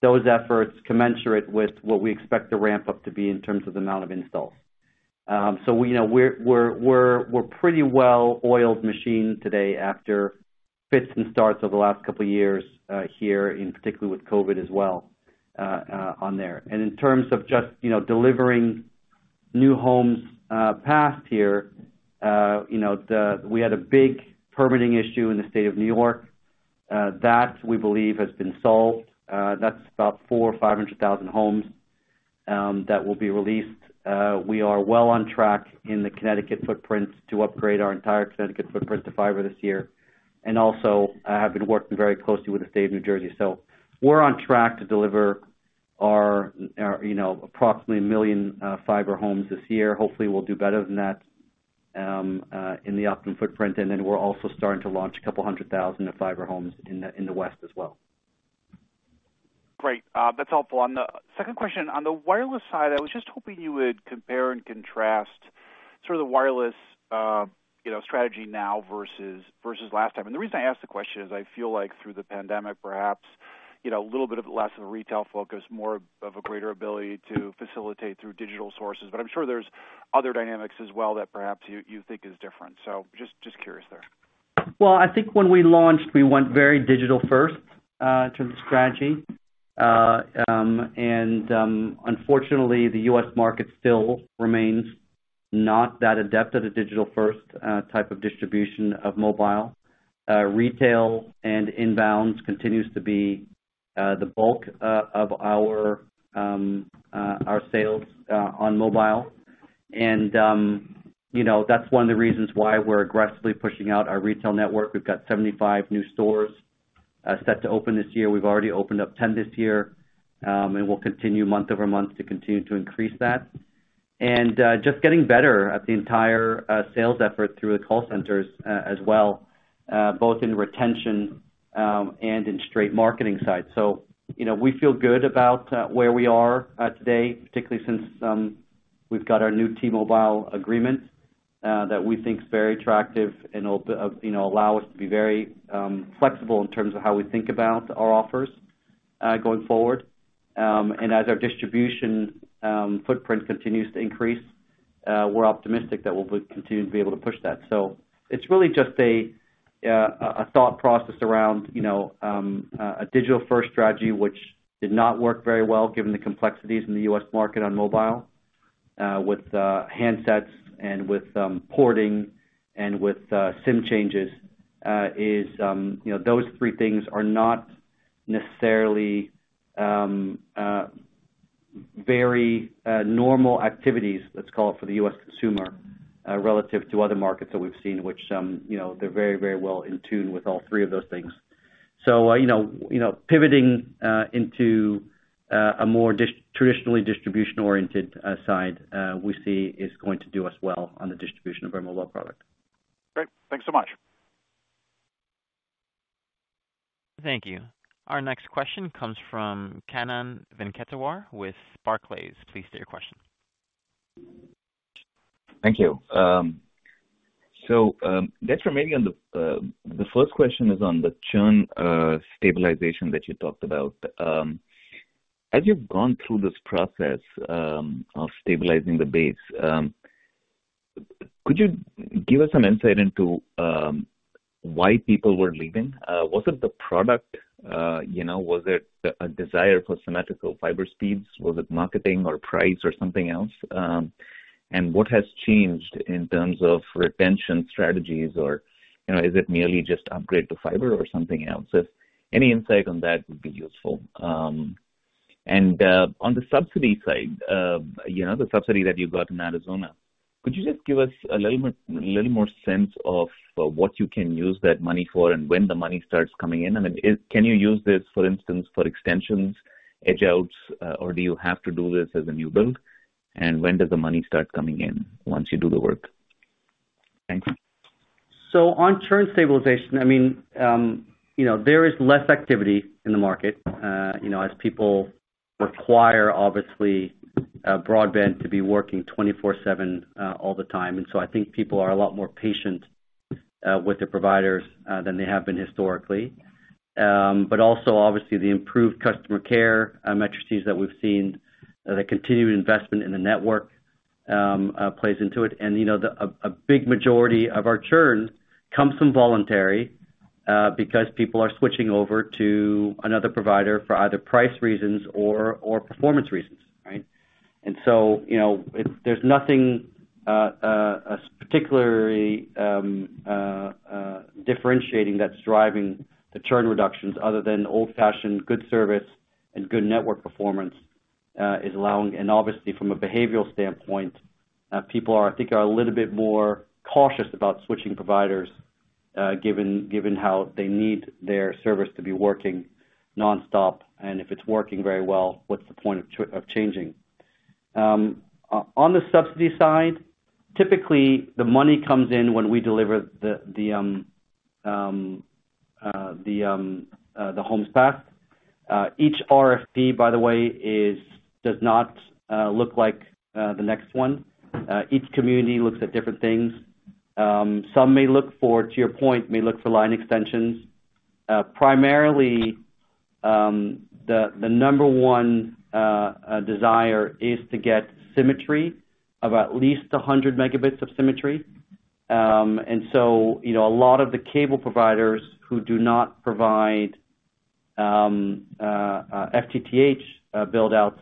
those efforts commensurate with what we expect the ramp-up to be in terms of the amount of installs. You know, we're pretty well-oiled machine today after fits and starts over the last couple of years here in particular with COVID as well on there. In terms of just, you know, delivering new homes passed here, you know, we had a big permitting issue in the state of New York. That we believe has been solved. That's about 400,000 or 500,000 homes that will be released. We are well on track in the Connecticut footprint to upgrade our entire Connecticut footprint to fiber this year. Also, I have been working very closely with the state of New Jersey. We're on track to deliver our you know, approximately 1 million fiber homes this year. Hopefully, we'll do better than that in the Optimum footprint. Then we're also starting to launch 200,000 fiber homes in the west as well. Great. That's helpful. On the second question, on the wireless side, I was just hoping you would compare and contrast sort of the wireless, you know, strategy now versus last time. The reason I ask the question is I feel like through the pandemic, perhaps, you know, a little bit of less of a retail focus, more of a greater ability to facilitate through digital sources. But I'm sure there's other dynamics as well that perhaps you think is different. Just curious there. Well, I think when we launched, we went very digital-first, in terms of strategy. Unfortunately, the U.S. market still remains not that adept at a digital-first, type of distribution of mobile. Retail and inbounds continues to be the bulk of our sales on mobile. You know, that's one of the reasons why we're aggressively pushing out our retail network. We've got 75 new stores set to open this year. We've already opened up 10 this year. We'll continue month-over-month to continue to increase that. Just getting better at the entire sales effort through the call centers, as well, both in retention, and in straight marketing side. You know, we feel good about where we are today, particularly since we've got our new T-Mobile agreement that we think is very attractive and will, you know, allow us to be very flexible in terms of how we think about our offers going forward. As our distribution footprint continues to increase, we're optimistic that we'll continue to be able to push that. It's really just a thought process around, you know, a digital-first strategy, which did not work very well given the complexities in the U.S. market on mobile with handsets and with porting and with SIM changes. You know, those three things are not necessarily very normal activities, let's call it, for the U.S. consumer relative to other markets that we've seen, which some, you know, they're very, very well in tune with all three of those things. You know, pivoting into a more traditionally distribution-oriented side, we see is going to do us well on the distribution of our mobile product. Great. Thanks so much. Thank you. Our next question comes from Kannan Venkateshwar with Barclays. Please state your question. Thank you. Dexter, maybe on the first question is on the churn stabilization that you talked about. As you've gone through this process of stabilizing the base, could you give us some insight into why people were leaving? Was it the product? You know, was it a desire for symmetrical fiber speeds? Was it marketing or price or something else? What has changed in terms of retention strategies or, you know, is it merely just upgrade to fiber or something else? If any insight on that would be useful. On the subsidy side, you know, the subsidy that you got in Arizona, could you just give us a little more sense of what you can use that money for and when the money starts coming in? I mean, can you use this, for instance, for extensions, edge outs, or do you have to do this as a new build? When does the money start coming in once you do the work? Thank you. On churn stabilization, I mean, you know, there is less activity in the market, you know, as people require obviously broadband to be working 24/7, all the time. I think people are a lot more patient with their providers than they have been historically. But also obviously the improved customer care metrics that we've seen, the continued investment in the network plays into it. You know, a big majority of our churn comes from voluntary because people are switching over to another provider for either price reasons or performance reasons, right? You know, there's nothing particularly differentiating that's driving the churn reductions other than old-fashioned good service and good network performance is allowing. Obviously from a behavioral standpoint, people are, I think, a little bit more cautious about switching providers, given how they need their service to be working nonstop. If it's working very well, what's the point of changing? On the subsidy side, typically the money comes in when we deliver the homes passed. Each RFP, by the way, does not look like the next one. Each community looks at different things. Some may look for, to your point, line extensions. Primarily, the number one desire is to get symmetry of at least 100 Mb of symmetry. You know, a lot of the cable providers who do not provide FTTH buildouts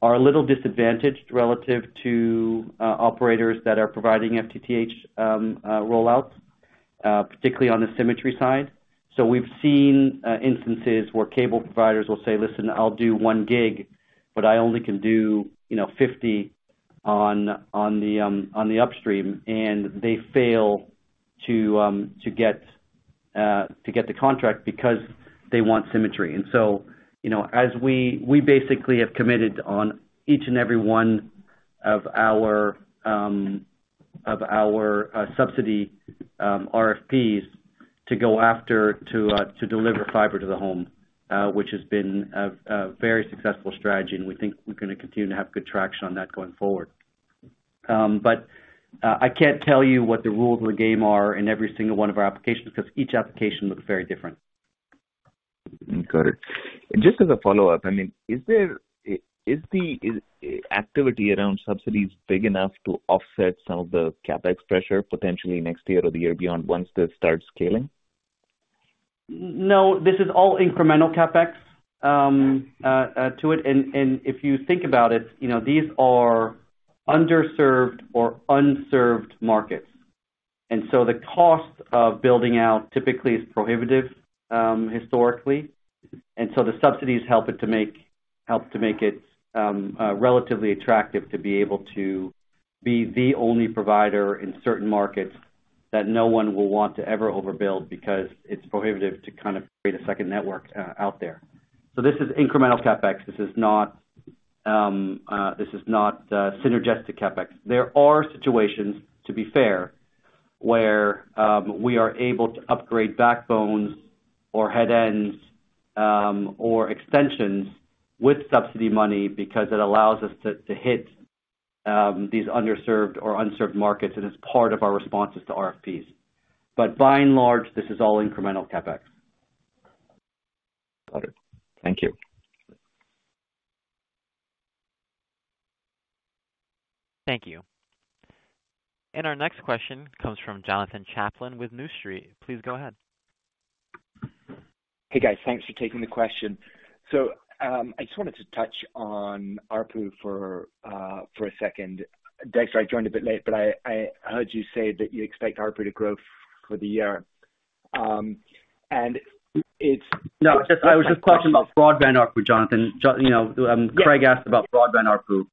are a little disadvantaged relative to operators that are providing FTTH rollouts, particularly on the symmetry side. We've seen instances where cable providers will say, "Listen, I'll do 1 gig, but I only can do, you know, 50 on the upstream." They fail to get the contract because they want symmetry. You know, as we basically have committed on each and every one of our subsidy RFPs to go after to deliver fiber to the home, which has been a very successful strategy, and we think we're gonna continue to have good traction on that going forward. I can't tell you what the rules of the game are in every single one of our applications because each application looks very different. Got it. Just as a follow-up, I mean, is activity around subsidies big enough to offset some of the CapEx pressure potentially next year or the year beyond once this starts scaling? No, this is all incremental CapEx to it. If you think about it, you know, these are underserved or unserved markets. The cost of building out typically is prohibitive historically. The subsidies help to make it relatively attractive to be able to be the only provider in certain markets that no one will want to ever overbuild because it's prohibitive to kind of create a second network out there. This is incremental CapEx. This is not synergistic CapEx. There are situations, to be fair, where we are able to upgrade backbones or head ends or extensions with subsidy money because it allows us to hit these underserved or unserved markets, and it's part of our responses to RFPs. By and large, this is all incremental CapEx. Got it. Thank you. Thank you. Our next question comes from Jonathan Chaplin with New Street. Please go ahead. Hey, guys. Thanks for taking the question. I just wanted to touch on ARPU for a second. Dexter, I joined a bit late, but I heard you say that you expect ARPU to grow for the year. It's No, it's just I was just questioning about broadband ARPU, Jonathan. You know, Craig asked about broadband ARPU.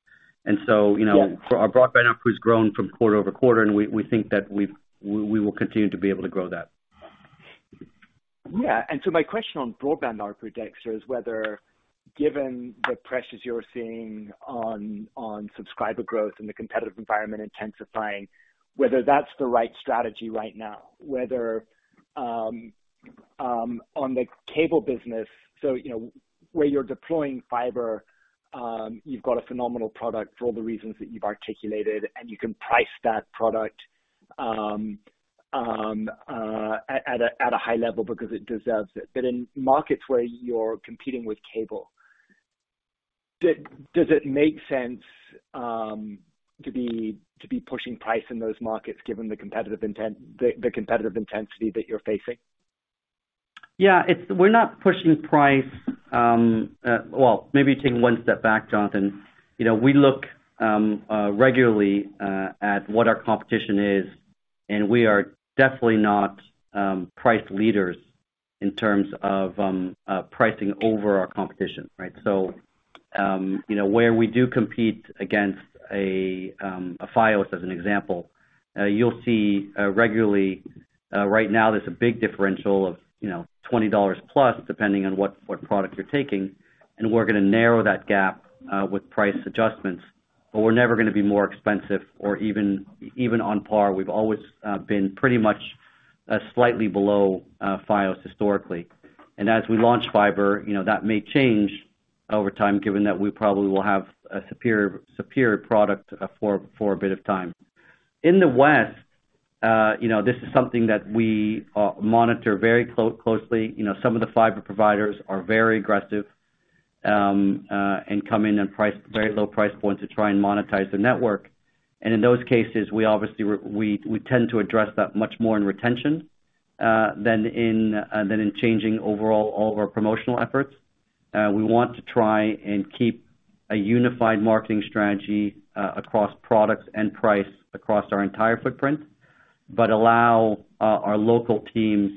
You know, our broadband ARPU has grown from quarter-over-quarter, and we think that we will continue to be able to grow that. Yeah. My question on broadband ARPU, Dexter, is whether, given the pressures you're seeing on subscriber growth and the competitive environment intensifying, whether that's the right strategy right now. Whether on the cable business, you know, where you're deploying fiber, you've got a phenomenal product for all the reasons that you've articulated, and you can price that product at a high level because it deserves it. In markets where you're competing with cable, does it make sense to be pushing price in those markets given the competitive intensity that you're facing? Yeah. We're not pushing price. Well, maybe taking one step back, Jonathan. You know, we look regularly at what our competition is, and we are definitely not price leaders in terms of pricing over our competition, right? You know, where we do compete against a Fios, as an example, you'll see regularly right now there's a big differential of, you know, $20+ depending on what product you're taking, and we're gonna narrow that gap with price adjustments. We're never gonna be more expensive or even on par. We've always been pretty much slightly below Fios historically. As we launch fiber, you know, that may change over time given that we probably will have a superior product for a bit of time. In the West, you know, this is something that we monitor very closely. You know, some of the fiber providers are very aggressive and come in and price very low price points to try and monetize their network. In those cases, we obviously tend to address that much more in retention than in changing overall of our promotional efforts. We want to try and keep a unified marketing strategy across products and price across our entire footprint, but allow our local teams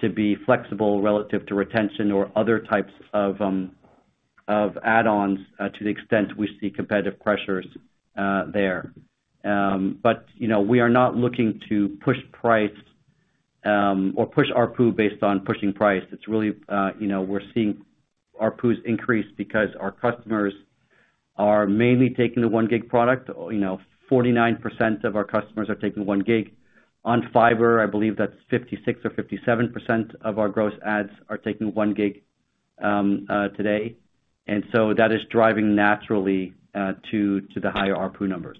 to be flexible relative to retention or other types of add-ons to the extent we see competitive pressures there. You know, we are not looking to push price or push ARPU based on pushing price. It's really, you know, we're seeing ARPUs increase because our customers are mainly taking the 1 gig product. You know, 49% of our customers are taking 1 gig. On fiber, I believe that's 56% or 57% of our gross adds are taking 1 Gb today. That is driving naturally to the higher ARPU numbers.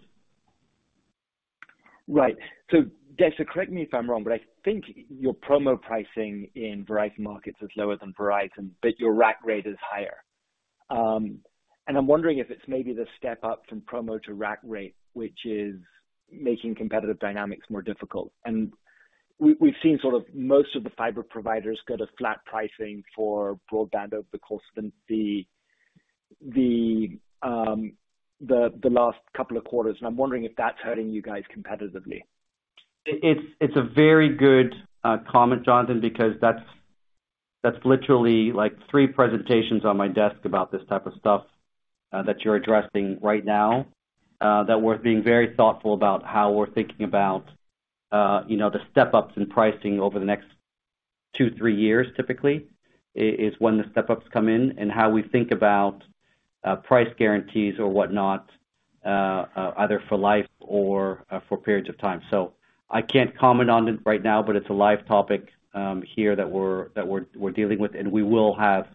Right. Dexter, correct me if I'm wrong, but I think your promo pricing in Verizon markets is lower than Verizon, but your rack rate is higher. I'm wondering if it's maybe the step up from promo to rack rate which is making competitive dynamics more difficult. We've seen sort of most of the fiber providers go to flat pricing for broadband over the course of the last couple of quarters, and I'm wondering if that's hurting you guys competitively. It's a very good comment, Jonathan, because that's literally like three presentations on my desk about this type of stuff that you're addressing right now that we're being very thoughtful about how we're thinking about, you know, the step-ups in pricing over the next two-three years typically is when the step-ups come in. How we think about price guarantees or whatnot, either for life or for periods of time. I can't comment on it right now, but it's a live topic here that we're dealing with, and we will have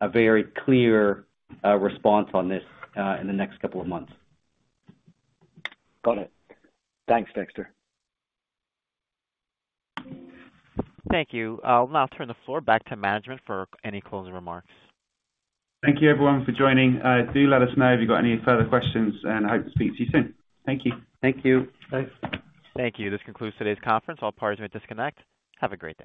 a very clear response on this in the next couple of months. Got it. Thanks, Dexter. Thank you. I'll now turn the floor back to management for any closing remarks. Thank you everyone for joining. Do let us know if you've got any further questions, and I hope to speak to you soon. Thank you. Thank you. Thanks. Thank you. This concludes today's conference. All parties may disconnect. Have a great day.